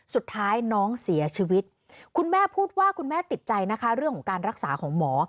สุดท้ายน้องเสียชีวิตคุณแม่พูดว่าคุณแม่ติดใจนะคะเรื่องของการรักษาของหมอ